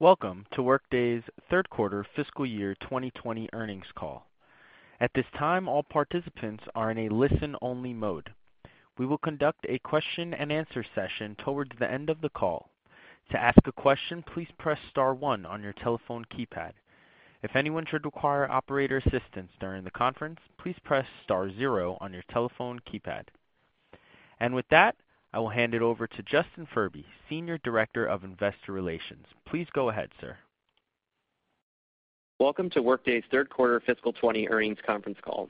Welcome to Workday's third quarter fiscal year 2020 earnings call. At this time, all participants are in a listen-only mode. We will conduct a question and answer session towards the end of the call. To ask a question, please press star one on your telephone keypad. If anyone should require operator assistance during the conference, please press star zero on your telephone keypad. With that, I will hand it over to Justin Furby, Senior Director of Investor Relations. Please go ahead, sir. Welcome to Workday's third quarter fiscal 2020 earnings conference call.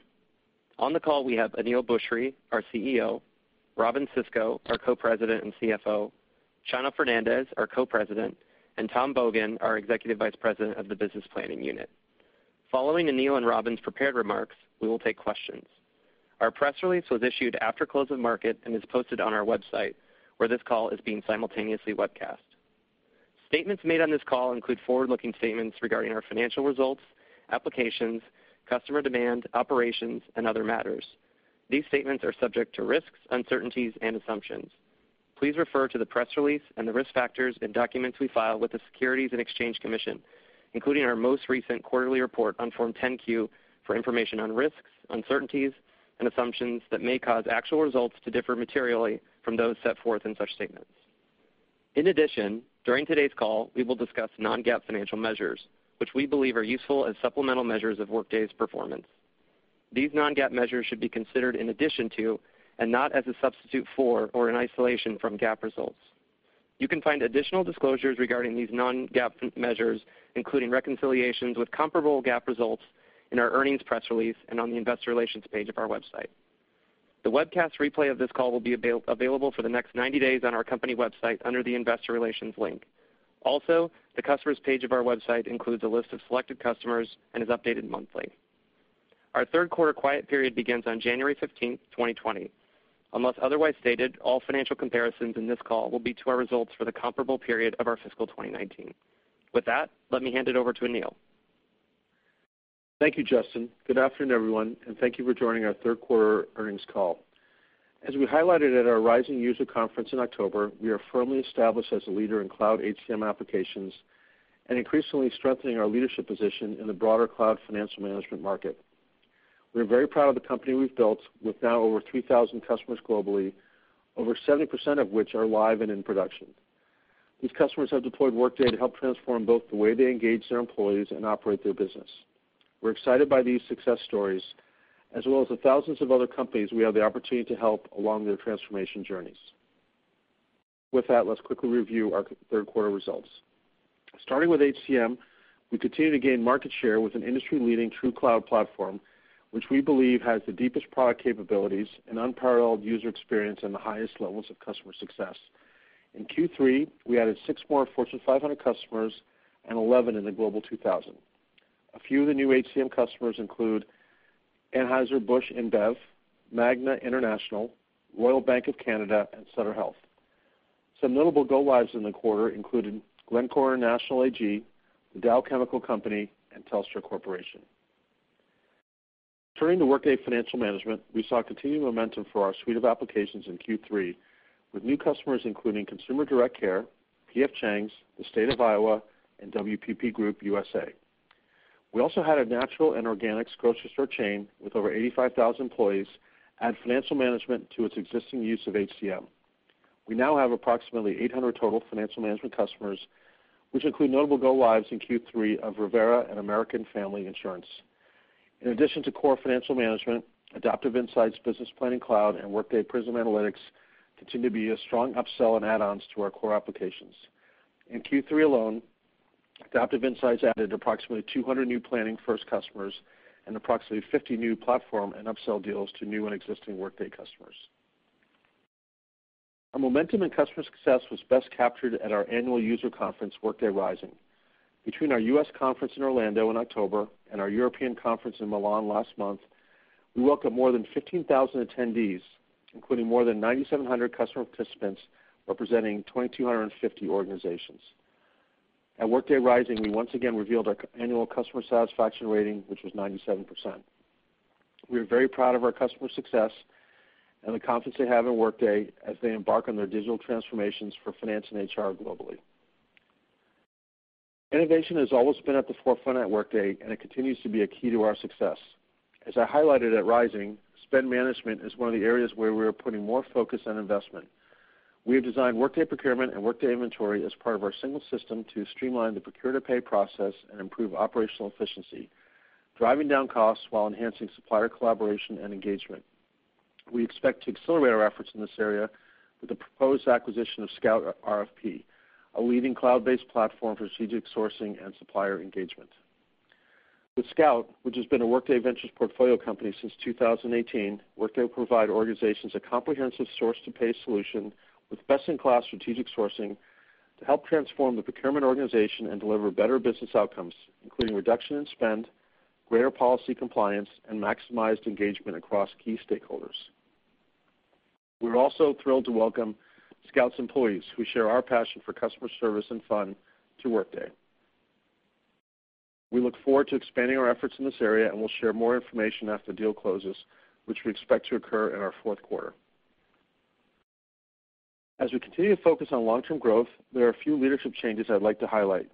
On the call we have Aneel Bhusri, our CEO, Robynne Sisco, our Co-President and CFO, Chano Fernandez, our Co-President, and Tom Bogan, our Executive Vice President of the business planning unit. Following Aneel and Robynne's prepared remarks, we will take questions. Our press release was issued after close of market and is posted on our website, where this call is being simultaneously webcast. Statements made on this call include forward-looking statements regarding our financial results, applications, customer demand, operations, and other matters. These statements are subject to risks, uncertainties, and assumptions. Please refer to the press release and the risk factors in documents we file with the Securities and Exchange Commission, including our most recent quarterly report on Form 10-Q, for information on risks, uncertainties, and assumptions that may cause actual results to differ materially from those set forth in such statements. In addition, during today's call, we will discuss non-GAAP financial measures, which we believe are useful as supplemental measures of Workday's performance. These non-GAAP measures should be considered in addition to, and not as a substitute for or in isolation from GAAP results. You can find additional disclosures regarding these non-GAAP measures, including reconciliations with comparable GAAP results, in our earnings press release and on the investor relations page of our website. The webcast replay of this call will be available for the next 90 days on our company website under the investor relations link. Also, the customers page of our website includes a list of selected customers and is updated monthly. Our third quarter quiet period begins on January 15th, 2020. Unless otherwise stated, all financial comparisons in this call will be to our results for the comparable period of our fiscal 2019. With that, let me hand it over to Aneel. Thank you, Justin. Good afternoon, everyone, and thank you for joining our third quarter earnings call. As we highlighted at our Workday Rising user conference in October, we are firmly established as a leader in cloud HCM applications and increasingly strengthening our leadership position in the broader cloud financial management market. We are very proud of the company we've built, with now over 3,000 customers globally, over 70% of which are live and in production. These customers have deployed Workday to help transform both the way they engage their employees and operate their business. We're excited by these success stories, as well as the thousands of other companies we have the opportunity to help along their transformation journeys. With that, let's quickly review our third quarter results. Starting with HCM, we continue to gain market share with an industry-leading true cloud platform, which we believe has the deepest product capabilities, an unparalleled user experience, and the highest levels of customer success. In Q3, we added six more Fortune 500 customers and 11 in the Global 2000. A few of the new HCM customers include Anheuser-Busch InBev, Magna International, Royal Bank of Canada, and Sutter Health. Some notable go lives in the quarter included Glencore International AG, The Dow Chemical Company, and Telstra Corporation. Turning to Workday Financial Management, we saw continued momentum for our suite of applications in Q3 with new customers including Consumer Direct Care Network, P.F. Chang's, the State of Iowa, and WPP Group USA. We also had a natural and organics grocery store chain with over 85,000 employees add Financial Management to its existing use of HCM. We now have approximately 800 total financial management customers, which include notable go lives in Q3 of Riviera and American Family Insurance. In addition to core financial management, Adaptive Insights Business Planning Cloud and Workday Prism Analytics continue to be a strong upsell and add-ons to our core applications. In Q3 alone, Adaptive Insights added approximately 200 new planning first customers and approximately 50 new platform and upsell deals to new and existing Workday customers. Our momentum and customer success was best captured at our annual user conference, Workday Rising. Between our U.S. conference in Orlando in October and our European conference in Milan last month, we welcomed more than 15,000 attendees, including more than 9,700 customer participants, representing 2,250 organizations. At Workday Rising, we once again revealed our annual customer satisfaction rating, which was 97%. We are very proud of our customers' success and the confidence they have in Workday as they embark on their digital transformations for finance and HR globally. Innovation has always been at the forefront at Workday, and it continues to be a key to our success. As I highlighted at Rising, spend management is one of the areas where we are putting more focus on investment. We have designed Workday Procurement and Workday Inventory as part of our single system to streamline the procure-to-pay process and improve operational efficiency, driving down costs while enhancing supplier collaboration and engagement. We expect to accelerate our efforts in this area with the proposed acquisition of Scout RFP, a leading cloud-based platform for strategic sourcing and supplier engagement. With Scout, which has been a Workday Ventures portfolio company since 2018, Workday will provide organizations a comprehensive source-to-pay solution with best-in-class strategic sourcing to help transform the procurement organization and deliver better business outcomes, including reduction in spend, greater policy compliance, and maximized engagement across key stakeholders. We're also thrilled to welcome Scout's employees, who share our passion for customer service and fun, to Workday. We'll share more information after the deal closes, which we expect to occur in our fourth quarter. As we continue to focus on long-term growth, there are a few leadership changes I'd like to highlight.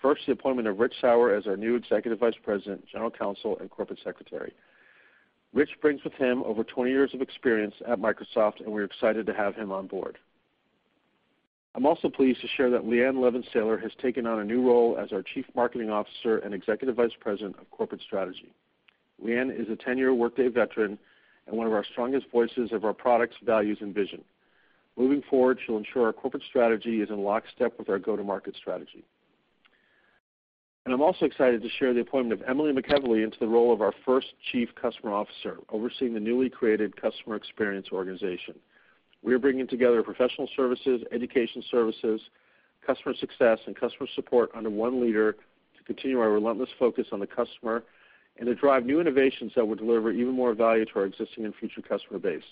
First, the appointment of Rich Sauer as our new Executive Vice President, General Counsel, and Corporate Secretary. Rich brings with him over 20 years of experience at Microsoft, and we're excited to have him on board. I'm also pleased to share that Leighanne Levensaler has taken on a new role as our Chief Marketing Officer and Executive Vice President of Corporate Strategy. Leighanne is a 10-year Workday veteran and one of our strongest voices of our products, values, and vision. Moving forward, she'll ensure our corporate strategy is in lockstep with our go-to-market strategy. I'm also excited to share the appointment of Emily McEvilly into the role of our first Chief Customer Officer, overseeing the newly created customer experience organization. We are bringing together professional services, education services, customer success, and customer support under one leader to continue our relentless focus on the customer and to drive new innovations that will deliver even more value to our existing and future customer base.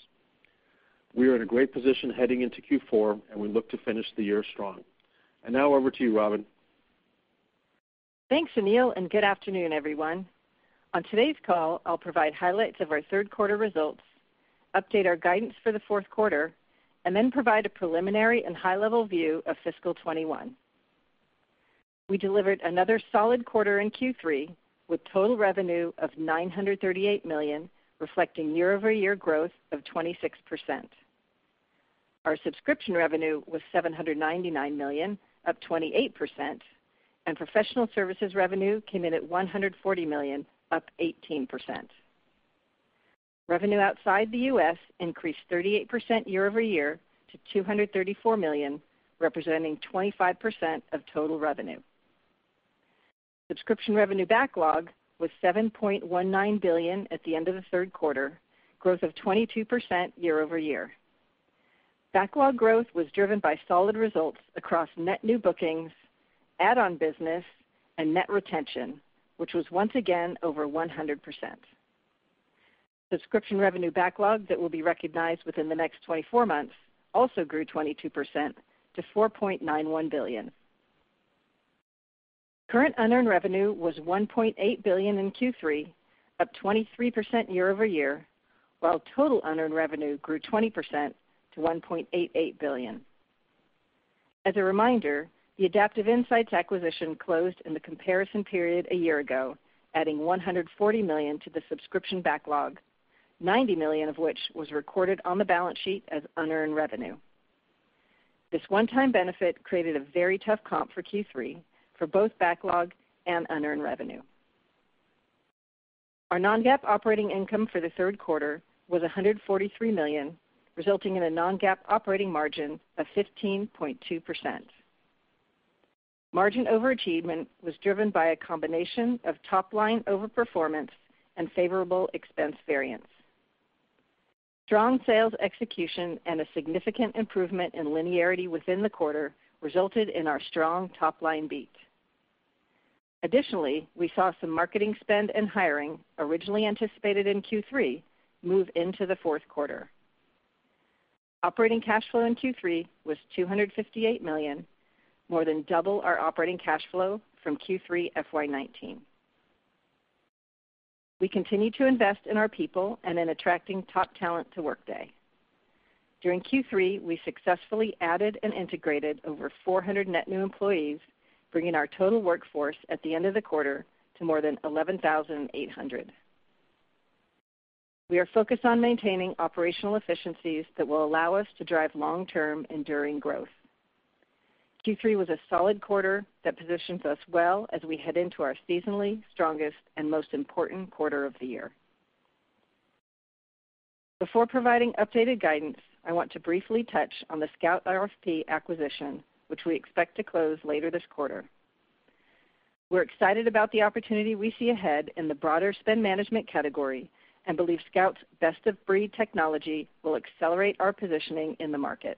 We are in a great position heading into Q4, and we look to finish the year strong. Now over to you, Robynne. Thanks, Aneel, good afternoon, everyone. On today's call, I'll provide highlights of our third quarter results, update our guidance for the fourth quarter, then provide a preliminary and high-level view of fiscal 2021. We delivered another solid quarter in Q3 with total revenue of $938 million, reflecting year-over-year growth of 26%. Our subscription revenue was $799 million, up 28%, professional services revenue came in at $140 million, up 18%. Revenue outside the U.S. increased 38% year-over-year to $234 million, representing 25% of total revenue. Subscription revenue backlog was $7.19 billion at the end of the third quarter, growth of 22% year-over-year. Backlog growth was driven by solid results across net new bookings, add-on business, and net retention, which was once again over 100%. Subscription revenue backlog that will be recognized within the next 24 months also grew 22% to $4.91 billion. Current unearned revenue was $1.8 billion in Q3, up 23% year-over-year, while total unearned revenue grew 20% to $1.88 billion. As a reminder, the Adaptive Insights acquisition closed in the comparison period a year ago, adding $140 million to the subscription backlog, $90 million of which was recorded on the balance sheet as unearned revenue. This one-time benefit created a very tough comp for Q3 for both backlog and unearned revenue. Our non-GAAP operating income for the third quarter was $143 million, resulting in a non-GAAP operating margin of 15.2%. Margin overachievement was driven by a combination of top-line overperformance and favorable expense variance. Strong sales execution and a significant improvement in linearity within the quarter resulted in our strong top-line beat. Additionally, we saw some marketing spend and hiring originally anticipated in Q3 move into the fourth quarter. Operating cash flow in Q3 was $258 million, more than double our operating cash flow from Q3 FY 2019. We continue to invest in our people and in attracting top talent to Workday. During Q3, we successfully added and integrated over 400 net new employees, bringing our total workforce at the end of the quarter to more than 11,800. We are focused on maintaining operational efficiencies that will allow us to drive long-term enduring growth. Q3 was a solid quarter that positions us well as we head into our seasonally strongest and most important quarter of the year. Before providing updated guidance, I want to briefly touch on the Scout RFP acquisition, which we expect to close later this quarter. We're excited about the opportunity we see ahead in the broader spend management category and believe Scout's best-of-breed technology will accelerate our positioning in the market.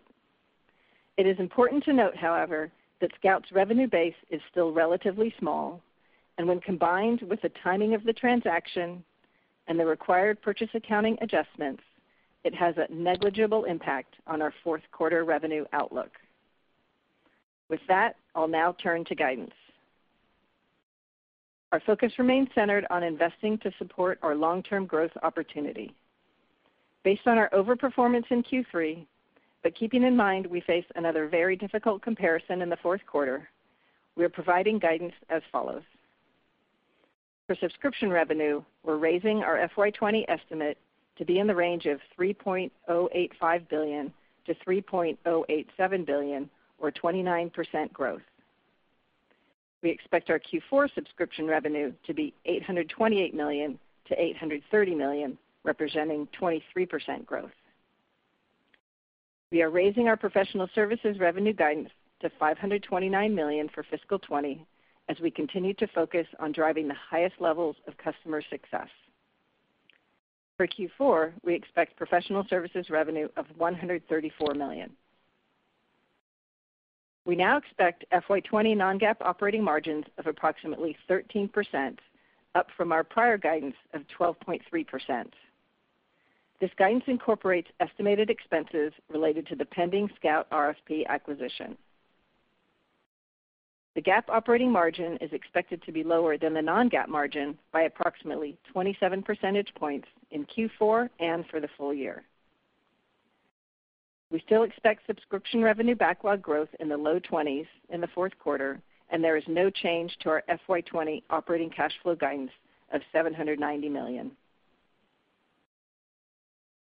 It is important to note, however, that Scout's revenue base is still relatively small, and when combined with the timing of the transaction and the required purchase accounting adjustments, it has a negligible impact on our fourth-quarter revenue outlook. With that, I'll now turn to guidance. Our focus remains centered on investing to support our long-term growth opportunity. Based on our overperformance in Q3, but keeping in mind we face another very difficult comparison in the fourth quarter, we are providing guidance as follows. For subscription revenue, we're raising our FY 2020 estimate to be in the range of $3.085 billion-$3.087 billion or 29% growth. We expect our Q4 subscription revenue to be $828 million-$830 million, representing 23% growth. We are raising our professional services revenue guidance to $529 million for fiscal 2020 as we continue to focus on driving the highest levels of customer success. For Q4, we expect professional services revenue of $134 million. We now expect FY 2020 non-GAAP operating margins of approximately 13%, up from our prior guidance of 12.3%. This guidance incorporates estimated expenses related to the pending Scout RFP acquisition. The GAAP operating margin is expected to be lower than the non-GAAP margin by approximately 27 percentage points in Q4 and for the full year. We still expect subscription revenue backlog growth in the low 20s in the fourth quarter. There is no change to our FY 2020 operating cash flow guidance of $790 million.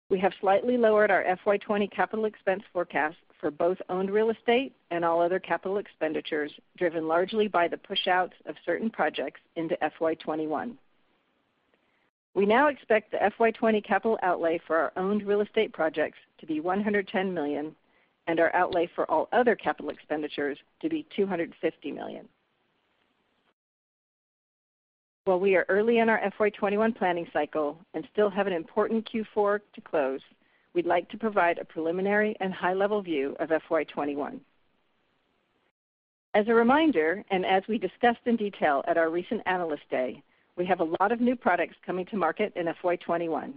We have slightly lowered our FY 2020 capital expense forecast for both owned real estate and all other capital expenditures, driven largely by the push-outs of certain projects into FY 2021. We now expect the FY 2020 capital outlay for our owned real estate projects to be $110 million and our outlay for all other capital expenditures to be $250 million. While we are early in our FY 2021 planning cycle and still have an important Q4 to close, we'd like to provide a preliminary and high-level view of FY 2021. As a reminder, as we discussed in detail at our recent Analyst Day, we have a lot of new products coming to market in FY 2021,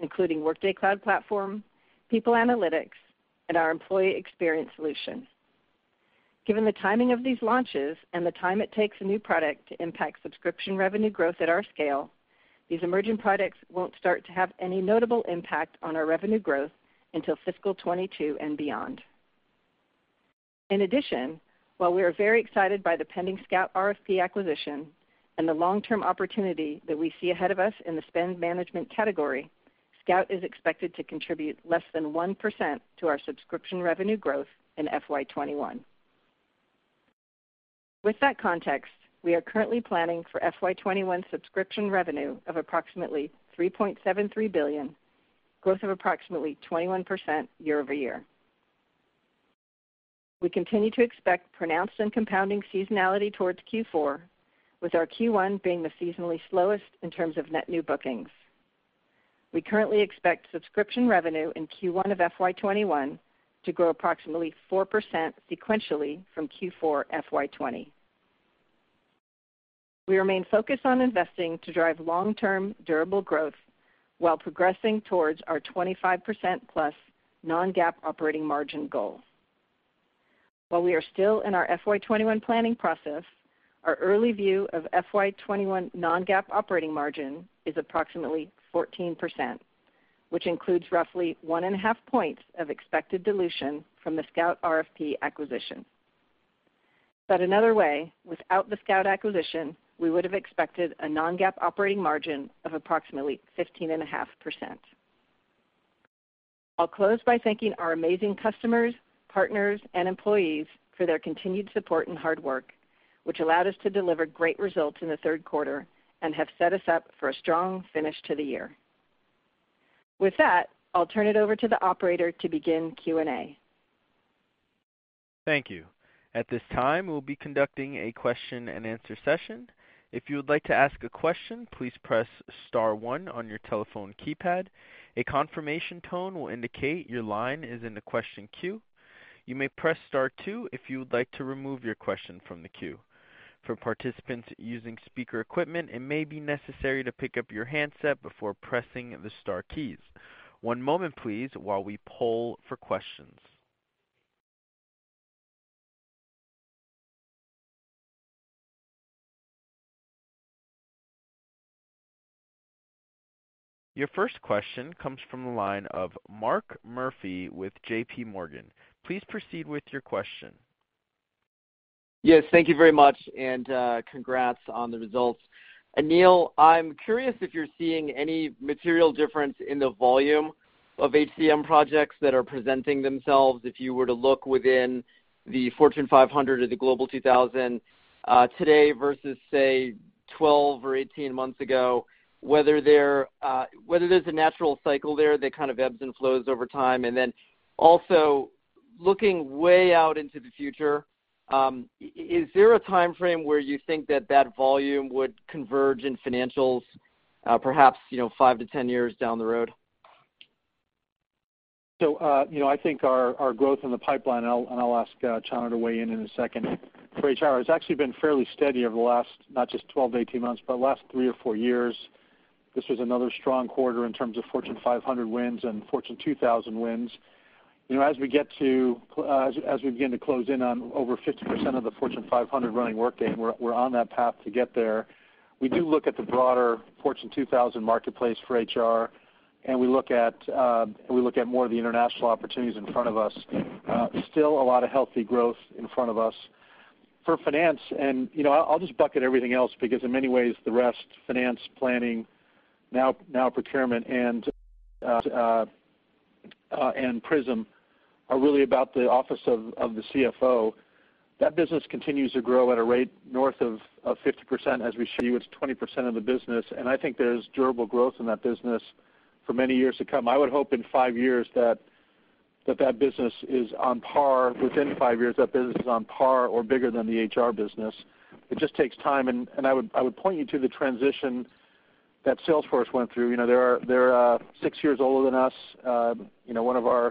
including Workday Cloud Platform, People Analytics, and our employee experience solution. Given the timing of these launches and the time it takes a new product to impact subscription revenue growth at our scale, these emerging products won't start to have any notable impact on our revenue growth until fiscal 2022 and beyond. While we are very excited by the pending Scout RFP acquisition and the long-term opportunity that we see ahead of us in the spend management category, Scout is expected to contribute less than 1% to our subscription revenue growth in FY 2021. With that context, we are currently planning for FY 2021 subscription revenue of approximately $3.73 billion, growth of approximately 21% year-over-year. We continue to expect pronounced and compounding seasonality towards Q4, with our Q1 being the seasonally slowest in terms of net new bookings. We currently expect subscription revenue in Q1 of FY 2021 to grow approximately 4% sequentially from Q4 FY 2020. We remain focused on investing to drive long-term durable growth while progressing towards our 25% plus non-GAAP operating margin goal. While we are still in our FY 2021 planning process, our early view of FY 2021 non-GAAP operating margin is approximately 14%, which includes roughly 1.5 points of expected dilution from the Scout RFP acquisition. Said another way, without the Scout acquisition, we would have expected a non-GAAP operating margin of approximately 15.5%. I'll close by thanking our amazing customers, partners, and employees for their continued support and hard work, which allowed us to deliver great results in the third quarter and have set us up for a strong finish to the year. With that, I'll turn it over to the operator to begin Q&A. Thank you. At this time, we'll be conducting a question and answer session. If you would like to ask a question, please press star one on your telephone keypad. A confirmation tone will indicate your line is in the question queue. You may press star two if you would like to remove your question from the queue. For participants using speaker equipment, it may be necessary to pick up your handset before pressing the star keys. One moment, please, while we poll for questions. Your first question comes from the line of Mark Murphy with JPMorgan. Please proceed with your question. Yes, thank you very much, and congrats on the results. Aneel, I'm curious if you're seeing any material difference in the volume of HCM projects that are presenting themselves, if you were to look within the Fortune 500 or the Global 2000 today versus, say, 12 or 18 months ago, whether there's a natural cycle there that kind of ebbs and flows over time. Then also, looking way out into the future, is there a time frame where you think that that volume would converge in financials, perhaps 5 to 10 years down the road? I think our growth in the pipeline, and I'll ask Chano to weigh in in a second, for HR has actually been fairly steady over the last not just 12 to 18 months, but last three or four years. This was another strong quarter in terms of Fortune 500 wins and Fortune 2000 wins. As we begin to close in on over 50% of the Fortune 500 running Workday, and we're on that path to get there, we do look at the broader Fortune 2000 marketplace for HR, and we look at more of the international opportunities in front of us. Still a lot of healthy growth in front of us. For finance, and I'll just bucket everything else because in many ways, the rest, finance, planning, now procurement, and Prism are really about the office of the CFO. That business continues to grow at a rate north of 50%. As we show you, it's 20% of the business, and I think there's durable growth in that business for many years to come. I would hope in five years that that business is on par, within five years, that business is on par or bigger than the HR business. It just takes time, and I would point you to the transition that Salesforce went through. They're six years older than us. One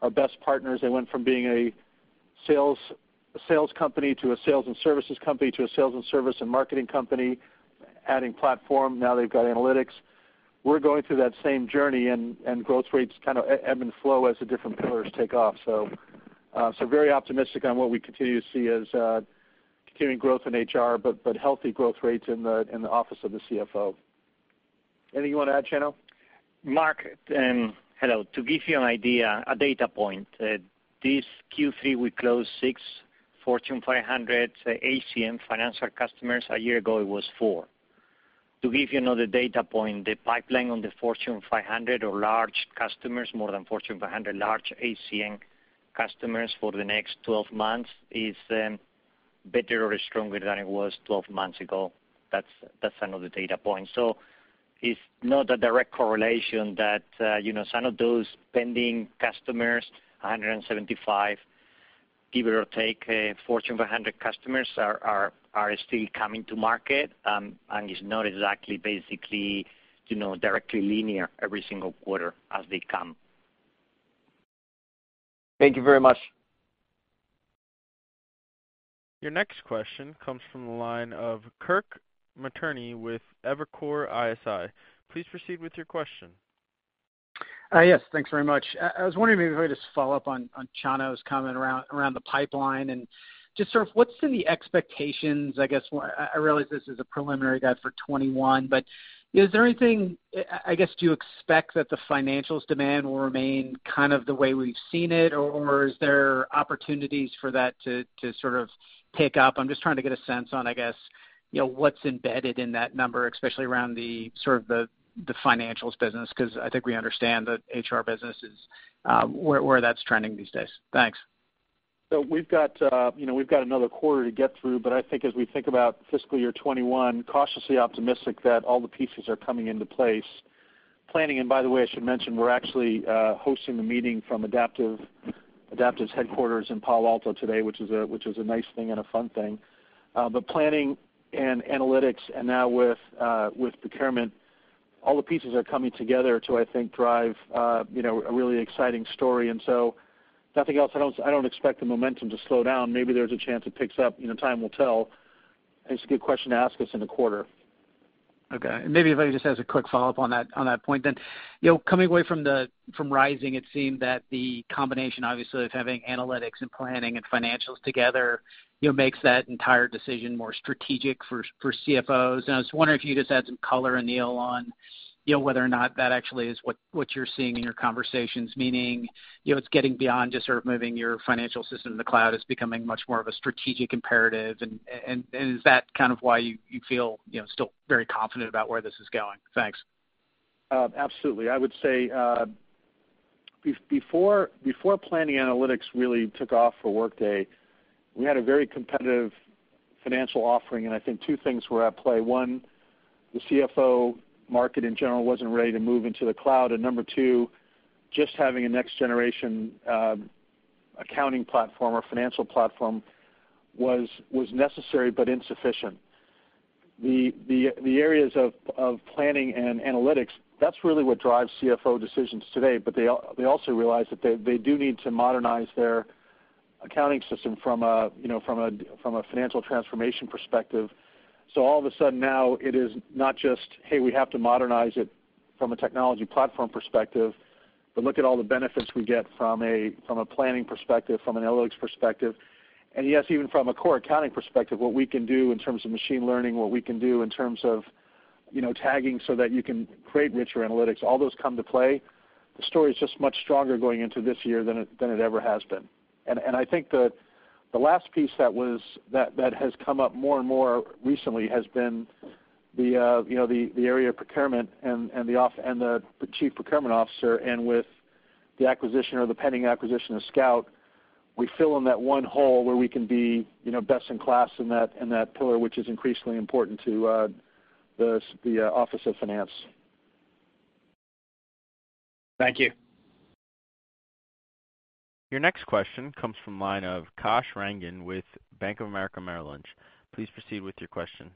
of our best partners, they went from being a Sales company to a sales and services company to a sales and service and marketing company, adding platform. Now they've got analytics. We're going through that same journey, and growth rates kind of ebb and flow as the different pillars take off. Very optimistic on what we continue to see as continuing growth in HR, but healthy growth rates in the office of the CFO. Anything you want to add, Chano? Mark, hello. To give you an idea, a data point, this Q3, we closed 6 Fortune 500 HCM financial customers. A year ago, it was 4. To give you another data point, the pipeline on the Fortune 500 or large customers, more than Fortune 500 large HCM customers for the next 12 months is better or stronger than it was 12 months ago. That's another data point. It's not a direct correlation that some of those pending customers, 175, give or take, Fortune 500 customers are still coming to market, and it's not exactly basically directly linear every single quarter as they come. Thank you very much. Your next question comes from the line of Kirk Materne with Evercore ISI. Please proceed with your question. Yes, thanks very much. I was wondering if I could just follow up on Chano's comment around the pipeline and just sort of what's the expectations, I guess, I realize this is a preliminary guide for 2021. Is there anything, I guess, do you expect that the financials demand will remain kind of the way we've seen it, or is there opportunities for that to sort of pick up? I'm just trying to get a sense on, I guess, what's embedded in that number, especially around the financials business, because I think we understand the HR business is, where that's trending these days. Thanks. We've got another quarter to get through, but I think as we think about fiscal year 2021, cautiously optimistic that all the pieces are coming into place. Planning, and by the way, I should mention we're actually hosting the meeting from Adaptive's headquarters in Palo Alto today, which is a nice thing and a fun thing. Planning and analytics and now with procurement, all the pieces are coming together to, I think, drive a really exciting story. If nothing else, I don't expect the momentum to slow down. Maybe there's a chance it picks up. Time will tell. It's a good question to ask us in a quarter. Okay. Maybe if I just ask a quick follow-up on that point then. Coming away from Rising, it seemed that the combination, obviously, of having analytics and planning and financials together, makes that entire decision more strategic for CFOs. I was wondering if you could just add some color, Aneel, on whether or not that actually is what you're seeing in your conversations, meaning, it's getting beyond just sort of moving your financial system to the cloud. It's becoming much more of a strategic imperative. Is that kind of why you feel still very confident about where this is going? Thanks. Absolutely. I would say, before planning analytics really took off for Workday, we had a very competitive financial offering. I think two things were at play. One, the CFO market in general wasn't ready to move into the cloud. Number two, just having a next generation accounting platform or financial platform was necessary but insufficient. The areas of planning and analytics, that's really what drives CFO decisions today. They also realize that they do need to modernize their accounting system from a financial transformation perspective. All of a sudden now it is not just, "Hey, we have to modernize it from a technology platform perspective." Look at all the benefits we get from a planning perspective, from an analytics perspective. Yes, even from a core accounting perspective, what we can do in terms of machine learning, what we can do in terms of tagging so that you can create richer analytics. All those come to play. The story is just much stronger going into this year than it ever has been. I think that the last piece that has come up more and more recently has been the area of procurement and the chief procurement officer, and with the acquisition or the pending acquisition of Scout, we fill in that one hole where we can be best in class in that pillar, which is increasingly important to the office of finance. Thank you. Your next question comes from the line of Kash Rangan with Bank of America Merrill Lynch. Please proceed with your question.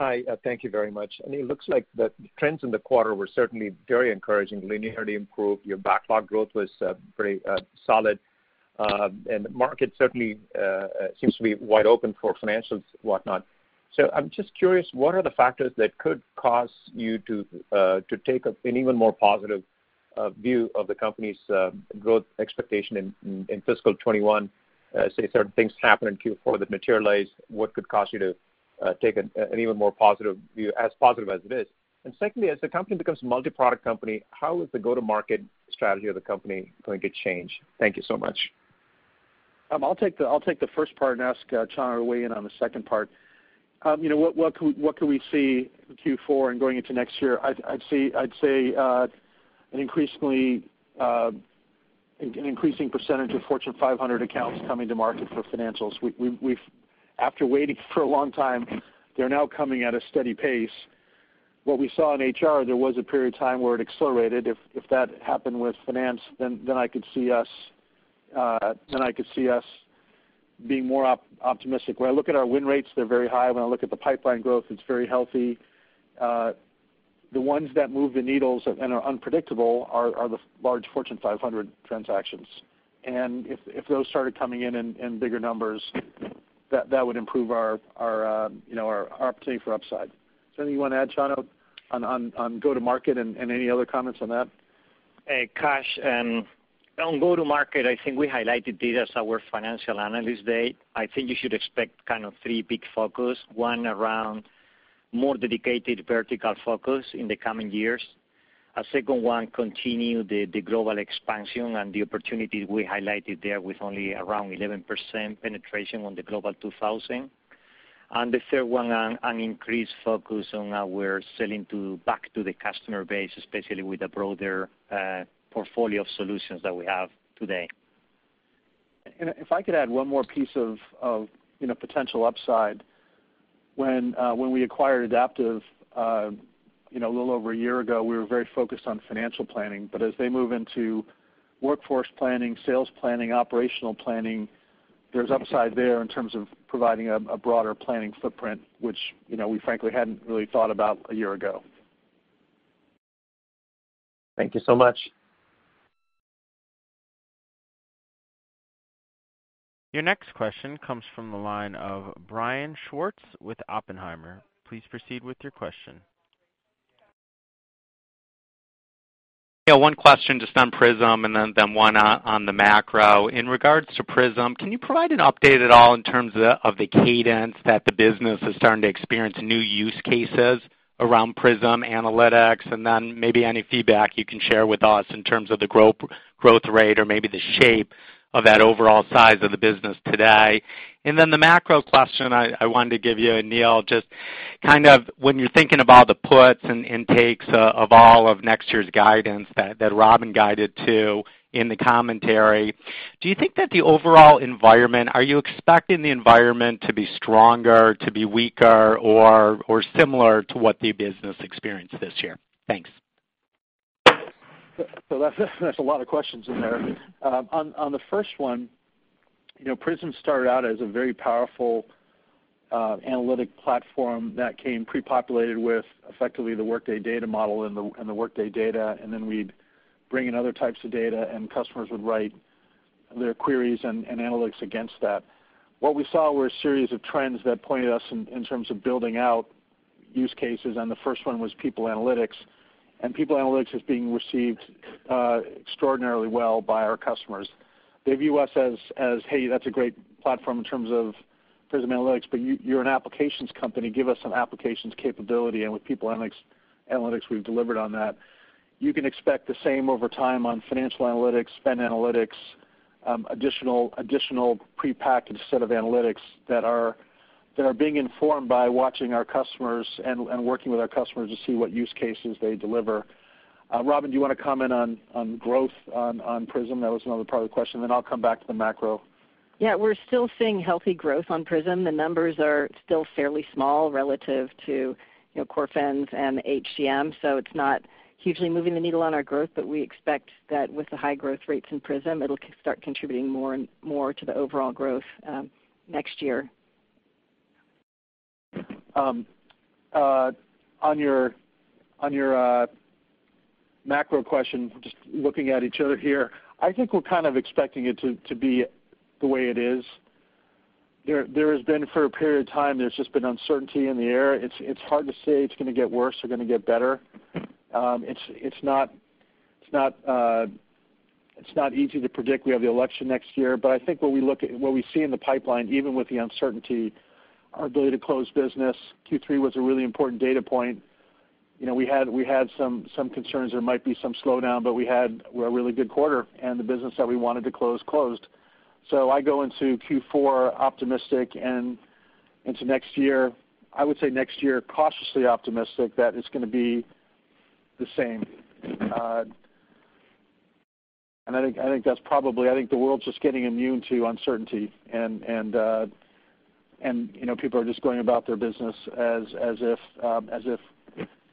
Hi. Thank you very much. Aneel, it looks like the trends in the quarter were certainly very encouraging. Linearity improved, your backlog growth was pretty solid, and the market certainly seems to be wide open for financials and whatnot. I'm just curious, what are the factors that could cause you to take an even more positive view of the company's growth expectation in fiscal 2021? Say certain things happen in Q4 that materialize, what could cause you to take an even more positive view, as positive as it is? Secondly, as the company becomes a multi-product company, how is the go-to-market strategy of the company going to change? Thank you so much. I'll take the first part and ask Chano to weigh in on the second part. What could we see in Q4 and going into next year? I'd say an increasing percentage of Fortune 500 accounts coming to market for financials. After waiting for a long time, they're now coming at a steady pace. What we saw in HR, there was a period of time where it accelerated. If that happened with finance, then I could see us being more optimistic. When I look at our win rates, they're very high. When I look at the pipeline growth, it's very healthy. The ones that move the needles and are unpredictable are the large Fortune 500 transactions. If those started coming in in bigger numbers, that would improve our opportunity for upside. Is there anything you want to add, Chano, on go-to-market, and any other comments on that? Hey, Kash. On go-to-market, I think we highlighted this at our financial analyst day. I think you should expect three big focus. One, around more dedicated vertical focus in the coming years. A second one, continue the global expansion and the opportunities we highlighted there with only around 11% penetration on the Global 2000. The third one, an increased focus on how we're selling back to the customer base, especially with the broader portfolio of solutions that we have today. If I could add one more piece of potential upside. When we acquired Adaptive a little over one year ago, we were very focused on financial planning. As they move into workforce planning, sales planning, operational planning, there's upside there in terms of providing a broader planning footprint, which we frankly hadn't really thought about a year ago. Thank you so much. Your next question comes from the line of Brian Schwartz with Oppenheimer. Please proceed with your question. Yeah. One question just on Prism, and then one on the macro. In regards to Prism, can you provide an update at all in terms of the cadence that the business is starting to experience new use cases around Workday Prism Analytics? Then maybe any feedback you can share with us in terms of the growth rate or maybe the shape of that overall size of the business today. Then the macro question I wanted to give you, Aneel, just when you're thinking about the puts and takes of all of next year's guidance that Robynne guided to in the commentary, do you think that the overall environment, are you expecting the environment to be stronger, to be weaker, or similar to what the business experienced this year? Thanks. That's a lot of questions in there. On the first one, Prism started out as a very powerful analytic platform that came pre-populated with effectively the Workday data model and the Workday data, and then we'd bring in other types of data, and customers would write their queries and analytics against that. What we saw were a series of trends that pointed us in terms of building out use cases, and the first one was People Analytics. People Analytics is being received extraordinarily well by our customers. They view us as, "Hey, that's a great platform in terms of Prism Analytics, but you're an applications company. Give us some applications capability." With People Analytics, we've delivered on that. You can expect the same over time on Financial Analytics, Spend Analytics, additional prepackaged set of analytics that are being informed by watching our customers and working with our customers to see what use cases they deliver. Robynne, do you want to comment on growth on Prism? That was another part of the question. I'll come back to the macro. We're still seeing healthy growth on Prism. The numbers are still fairly small relative to Core FMS and HCM, so it's not hugely moving the needle on our growth. We expect that with the high growth rates in Prism, it'll start contributing more and more to the overall growth next year. On your macro question, just looking at each other here. I think we're kind of expecting it to be the way it is. There has been, for a period of time, there's just been uncertainty in the air. It's hard to say it's going to get worse or going to get better. It's not easy to predict. We have the election next year. I think what we see in the pipeline, even with the uncertainty, our ability to close business, Q3 was a really important data point. We had some concerns there might be some slowdown, but we had a really good quarter, and the business that we wanted to close, closed. I go into Q4 optimistic, and into next year, I would say next year, cautiously optimistic that it's going to be the same. I think the world's just getting immune to uncertainty, and people are just going about their business as if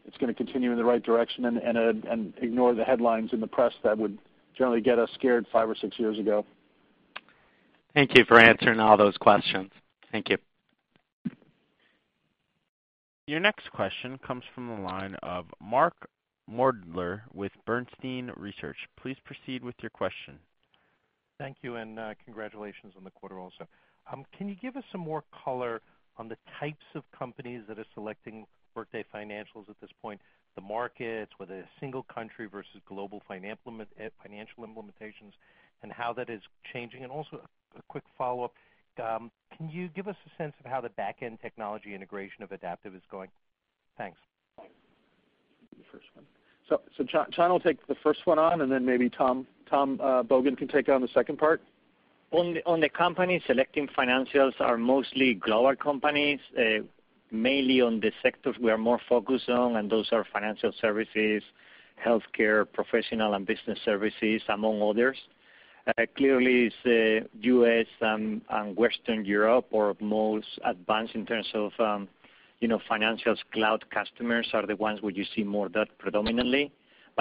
it's going to continue in the right direction and ignore the headlines in the press that would generally get us scared five or six years ago. Thank you for answering all those questions. Thank you. Your next question comes from the line of Mark Moerdler with Bernstein Research. Please proceed with your question. Thank you, and congratulations on the quarter also. Can you give us some more color on the types of companies that are selecting Workday financials at this point, the markets, whether they're single country versus global financial implementations, and how that is changing? Also, a quick follow-up. Can you give us a sense of how the back-end technology integration of Adaptive is going? Thanks. The first one. Chano will take the first one on, and then maybe Tom Bogan can take on the second part. On the company selecting financials are mostly global companies, mainly on the sectors we are more focused on, and those are financial services, healthcare, professional and business services, among others. Clearly it's U.S. and Western Europe are most advanced in terms of financials cloud customers are the ones where you see more of that predominantly.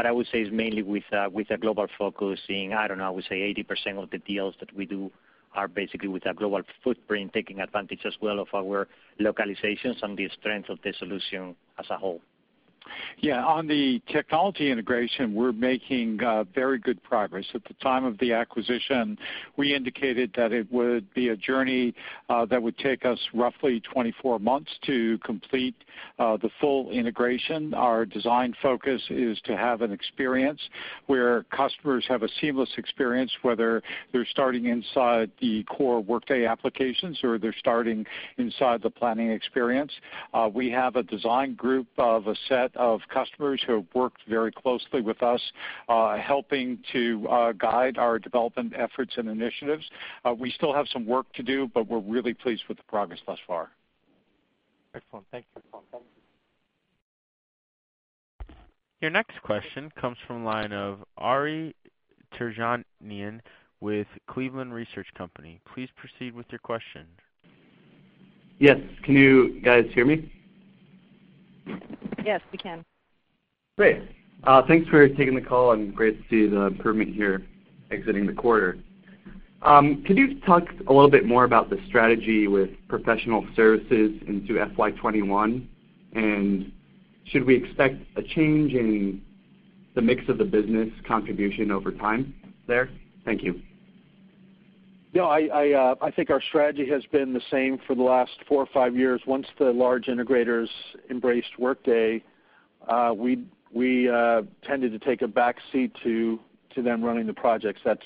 I would say it's mainly with a global focus, seeing, I don't know, I would say 80% of the deals that we do are basically with a global footprint, taking advantage as well of our localizations and the strength of the solution as a whole. On the technology integration, we're making very good progress. At the time of the acquisition, we indicated that it would be a journey that would take us roughly 24 months to complete the full integration. Our design focus is to have an experience where customers have a seamless experience, whether they're starting inside the core Workday applications or they're starting inside the planning experience. We have a design group of a set of customers who have worked very closely with us, helping to guide our development efforts and initiatives. We still have some work to do, but we're really pleased with the progress thus far. Excellent. Thank you. Your next question comes from the line of Ari Terjanian with Cleveland Research Company. Please proceed with your question. Yes. Can you guys hear me? Yes, we can. Great. Thanks for taking the call, and great to see the improvement here exiting the quarter. Can you talk a little bit more about the strategy with professional services into FY 2021, and should we expect a change in the mix of the business contribution over time there? Thank you. No, I think our strategy has been the same for the last four or five years. Once the large integrators embraced Workday, we tended to take a back seat to them running the projects. That's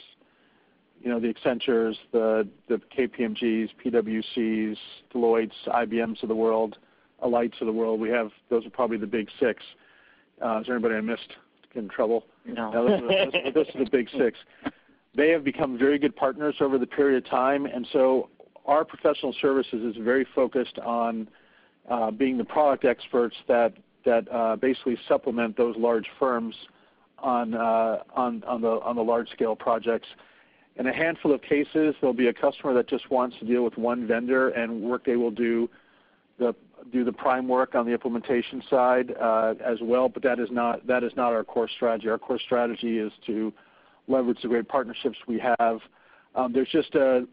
the Accenture, the KPMG's, PwC's, Deloitte's, IBM's of the world, Alight's of the world. Those are probably the big six. Is there anybody I missed? In trouble? No. Those are the big six. They have become very good partners over the period of time, and so our professional services is very focused on being the product experts that basically supplement those large firms on the large-scale projects. In a handful of cases, there'll be a customer that just wants to deal with one vendor, and Workday will do the prime work on the implementation side as well, but that is not our core strategy. Our core strategy is to leverage the great partnerships we have. There's just a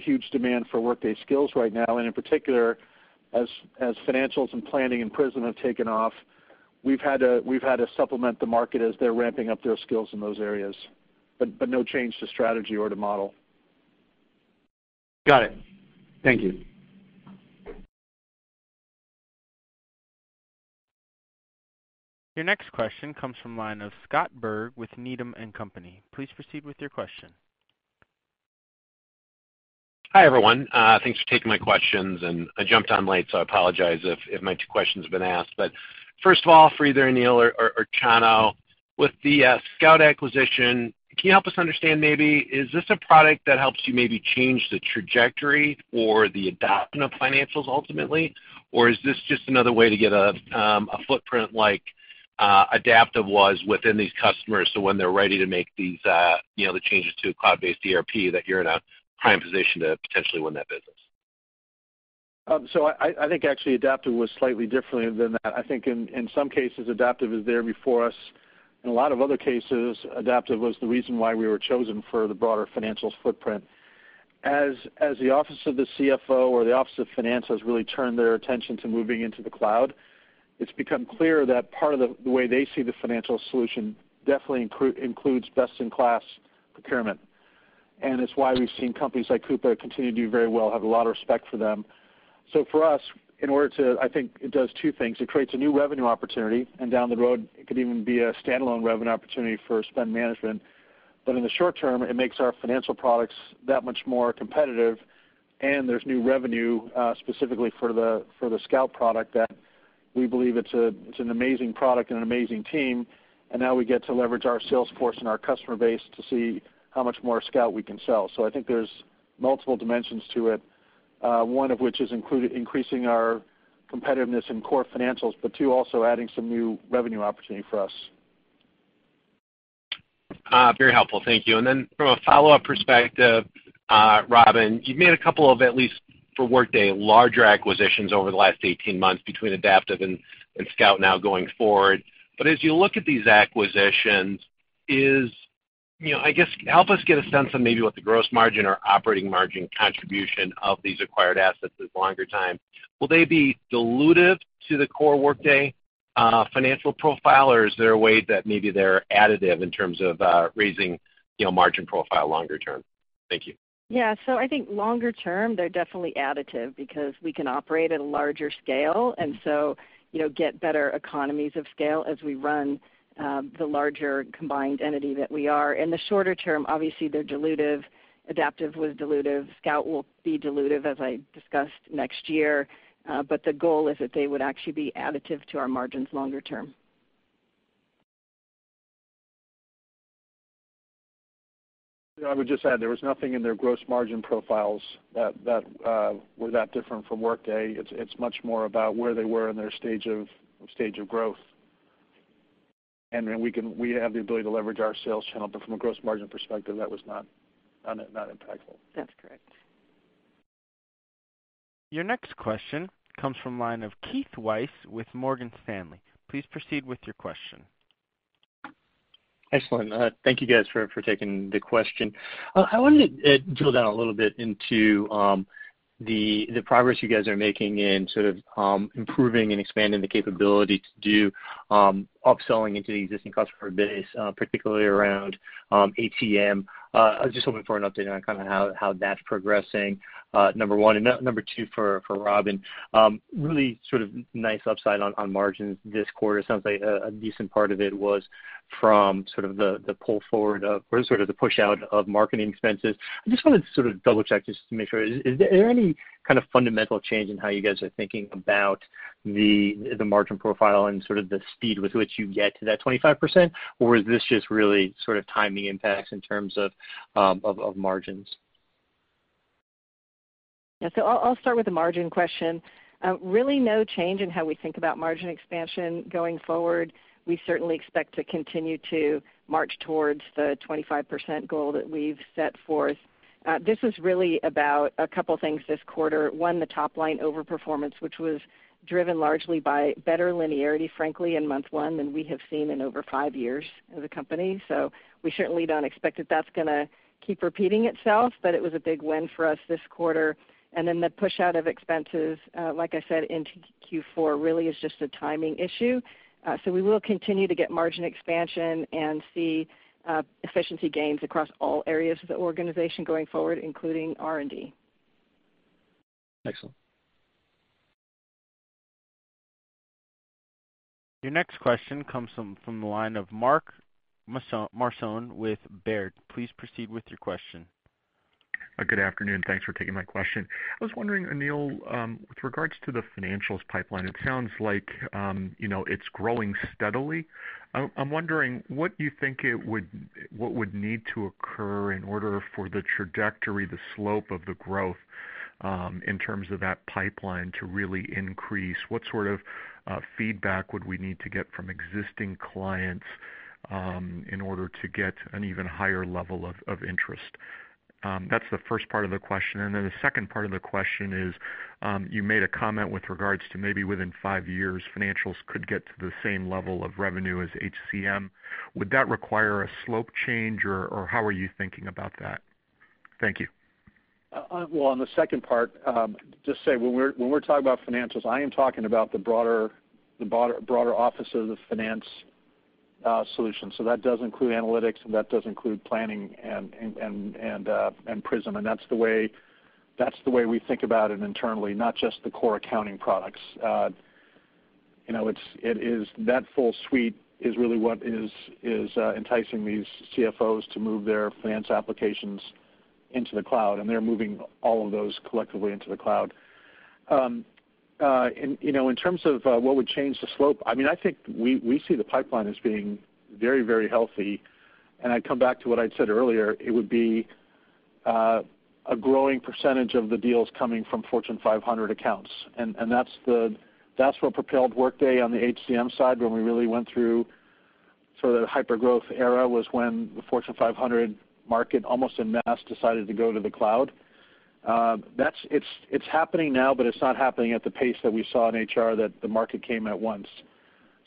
huge demand for Workday skills right now, and in particular, as Financials and Planning and Prism have taken off, we've had to supplement the market as they're ramping up their skills in those areas. No change to strategy or to model. Got it. Thank you. Your next question comes from the line of Scott Berg with Needham & Company. Please proceed with your question. Hi, everyone. Thanks for taking my questions. I jumped on late, so I apologize if my 2 questions have been asked. First of all, for either Aneel or Chano, with the Scout acquisition, can you help us understand maybe, is this a product that helps you maybe change the trajectory or the adoption of financials ultimately, or is this just another way to get a footprint like Adaptive was within these customers, so when they're ready to make the changes to a cloud-based ERP, that you're in a prime position to potentially win that business? I think actually Adaptive was slightly different than that. I think in some cases, Adaptive was there before us. In a lot of other cases, Adaptive was the reason why we were chosen for the broader financials footprint. As the office of the CFO or the Office of Finance has really turned their attention to moving into the cloud, it's become clear that part of the way they see the financial solution definitely includes best-in-class procurement. It's why we've seen companies like Coupa continue to do very well, have a lot of respect for them. For us, I think it does two things. It creates a new revenue opportunity, and down the road, it could even be a standalone revenue opportunity for spend management. In the short term, it makes our financial products that much more competitive, and there's new revenue specifically for the Scout product that we believe it's an amazing product and an amazing team, and now we get to leverage our sales force and our customer base to see how much more Scout we can sell. I think there's multiple dimensions to it, one of which is increasing our competitiveness in core financials, but two, also adding some new revenue opportunity for us. Very helpful. Thank you. From a follow-up perspective, Robynne, you've made a couple of, at least for Workday, larger acquisitions over the last 18 months between Adaptive and Scout now going forward. As you look at these acquisitions, I guess, help us get a sense of maybe what the gross margin or operating margin contribution of these acquired assets is longer time. Will they be dilutive to the core Workday financial profile, or is there a way that maybe they're additive in terms of raising margin profile longer term? Thank you. Yeah. I think longer term, they're definitely additive because we can operate at a larger scale, and so get better economies of scale as we run the larger combined entity that we are. In the shorter term, obviously, they're dilutive. Adaptive was dilutive. Scout will be dilutive, as I discussed, next year. The goal is that they would actually be additive to our margins longer term. I would just add, there was nothing in their gross margin profiles that were that different from Workday. It's much more about where they were in their stage of growth. We have the ability to leverage our sales channel, but from a gross margin perspective, that was not impactful. That's correct. Your next question comes from the line of Keith Weiss with Morgan Stanley. Please proceed with your question. Excellent. Thank you guys for taking the question. I wanted to drill down a little bit into the progress you guys are making in sort of improving and expanding the capability to do upselling into the existing customer base, particularly around ATM. I was just hoping for an update on kind of how that's progressing, number 1. Number 2, for Robynne, really sort of nice upside on margins this quarter. It sounds like a decent part of it was from sort of the pull forward of, or sort of the push out of marketing expenses. I just wanted to sort of double-check just to make sure. Is there any kind of fundamental change in how you guys are thinking about the margin profile and sort of the speed with which you get to that 25%? Is this just really sort of timing impacts in terms of margins? Yeah. I'll start with the margin question. Really no change in how we think about margin expansion going forward. We certainly expect to continue to march towards the 25% goal that we've set forth. This is really about a couple things this quarter. One, the top-line over-performance, which was driven largely by better linearity, frankly, in month one than we have seen in over five years as a company. We certainly don't expect that that's going to keep repeating itself, but it was a big win for us this quarter. The push out of expenses, like I said, into Q4 really is just a timing issue. We will continue to get margin expansion and see efficiency gains across all areas of the organization going forward, including R&D. Excellent. Your next question comes from the line of Mark Marcon with Baird. Please proceed with your question. Good afternoon. Thanks for taking my question. I was wondering, Aneel, with regards to the Financials pipeline, it sounds like it's growing steadily. I'm wondering what you think what would need to occur in order for the trajectory, the slope of the growth, in terms of that pipeline to really increase? What sort of feedback would we need to get from existing clients in order to get an even higher level of interest? That's the first part of the question. The second part of the question is, you made a comment with regards to maybe within five years, Financials could get to the same level of revenue as HCM. Would that require a slope change, or how are you thinking about that? Thank you. Well, on the second part, just say when we're talking about financials, I am talking about the broader offices of finance solutions. That does include analytics, and that does include planning and Prism, and that's the way we think about it internally, not just the core accounting products. That full suite is really what is enticing these CFOs to move their finance applications into the cloud, and they're moving all of those collectively into the cloud. In terms of what would change the slope, I think we see the pipeline as being very healthy, and I'd come back to what I'd said earlier, it would be a growing percentage of the deals coming from Fortune 500 accounts. That's what propelled Workday on the HCM side, when we really went through sort of hypergrowth era, was when the Fortune 500 market almost en masse decided to go to the cloud. It's happening now, but it's not happening at the pace that we saw in HR that the market came at once.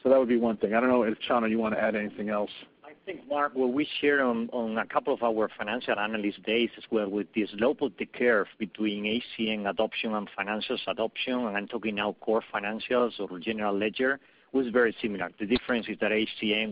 That would be one thing. I don't know if, Chano, you want to add anything else. I think, Mark, what we shared on a couple of our financial analyst days as well with the slope of the curve between HCM adoption and financials adoption, and I'm talking now core financials or general ledger, was very similar. The difference is that HCM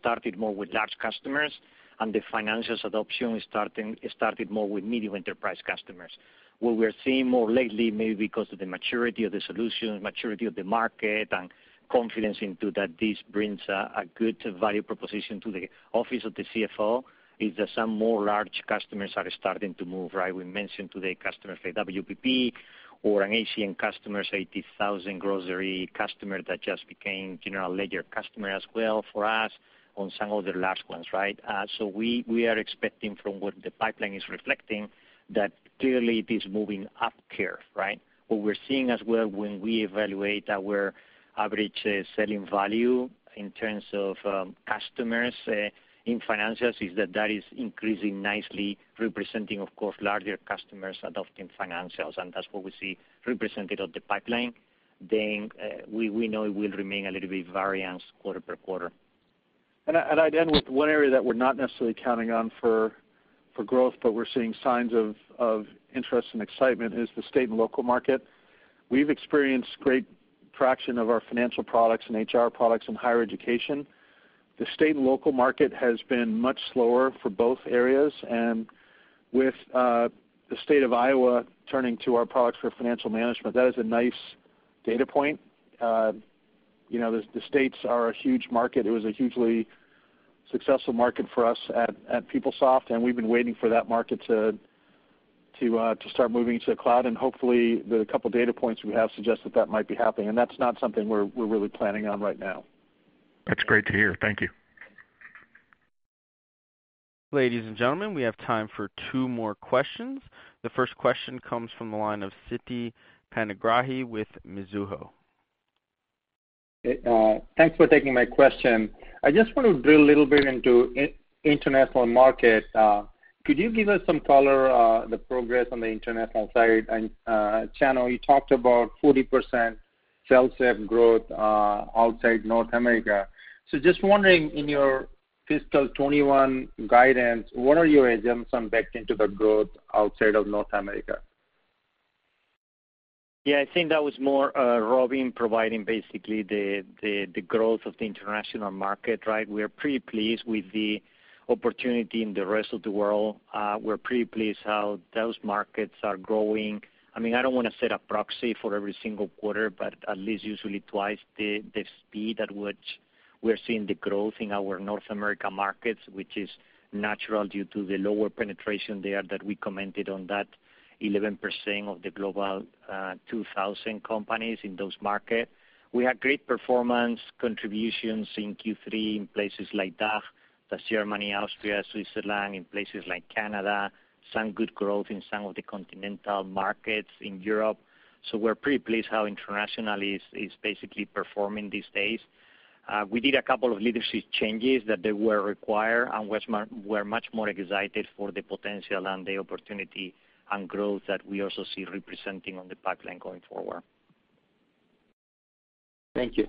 started more with large customers, and the financials adoption started more with medium enterprise customers. What we're seeing more lately, maybe because of the maturity of the solution, maturity of the market, and confidence into that this brings a good value proposition to the office of the CFO, is that some more large customers are starting to move. We mentioned today customers like WPP or an HCM customer, say, 80,000 grocery customer that just became general ledger customer as well for us on some of the large ones. We are expecting from what the pipeline is reflecting that clearly it is moving up curve. What we're seeing as well when we evaluate our average selling value in terms of customers in Financials is that is increasing nicely, representing, of course, larger customers adopting Financials, and that's what we see represented on the pipeline. We know it will remain a little bit variance quarter-over-quarter. I'd end with one area that we're not necessarily counting on for growth, but we're seeing signs of interest and excitement is the state and local market. We've experienced great traction of our financial products and HR products in higher education. The state and local market has been much slower for both areas, and with the State of Iowa turning to our products for financial management, that is a nice data point. The states are a huge market. It was a hugely successful market for us at PeopleSoft, and we've been waiting for that market to start moving to the cloud, and hopefully the couple data points we have suggest that might be happening, and that's not something we're really planning on right now. That's great to hear. Thank you. Ladies and gentlemen, we have time for two more questions. The first question comes from the line of Siti Panigrahi with Mizuho. Thanks for taking my question. I just want to drill a little bit into international market. Could you give us some color on the progress on the international side and Chano? You talked about 40% [sell self-growth] outside North America. Just wondering in your fiscal 2021 guidance, what are your assumptions backed into the growth outside of North America? I think that was more Robynne providing basically the growth of the international market, right? We are pretty pleased with the opportunity in the rest of the world. We're pretty pleased how those markets are growing. I don't want to set a proxy for every single quarter, but at least usually twice the speed at which we're seeing the growth in our North America markets, which is natural due to the lower penetration there that we commented on that 11% of the Global 2000 companies in those market. We had great performance contributions in Q3 in places like DACH, that's Germany, Austria, Switzerland, in places like Canada. Some good growth in some of the continental markets in Europe. We're pretty pleased how international is basically performing these days. We did a couple of leadership changes that they were required. We're much more excited for the potential and the opportunity and growth that we also see representing on the pipeline going forward. Thank you.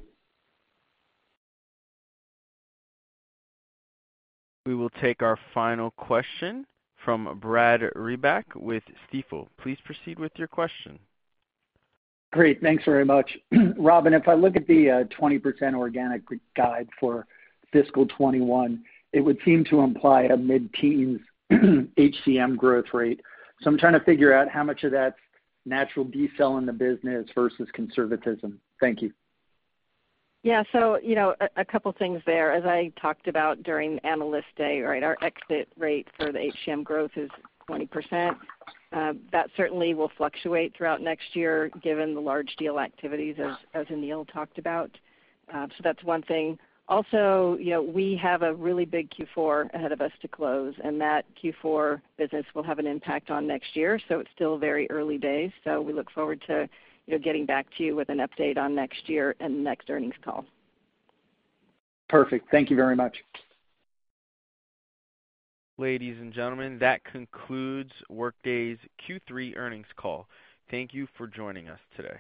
We will take our final question from Brad Reback with Stifel. Please proceed with your question. Great. Thanks very much. Robynne, if I look at the 20% organic guide for fiscal 2021, it would seem to imply a mid-teens HCM growth rate. I'm trying to figure out how much of that's natural decel in the business versus conservatism. Thank you. Yeah. A couple things there. As I talked about during Analyst Day, right, our exit rate for the HCM growth is 20%. That certainly will fluctuate throughout next year given the large deal activities as Aneel talked about. That's one thing. Also, we have a really big Q4 ahead of us to close, and that Q4 business will have an impact on next year. It's still very early days. We look forward to getting back to you with an update on next year in the next earnings call. Perfect. Thank you very much. Ladies and gentlemen, that concludes Workday's Q3 earnings call. Thank you for joining us today.